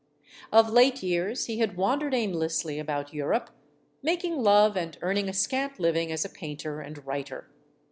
Of late years he had wandered aimlessly about Europe, making love and earning a scant living as a painter and writer.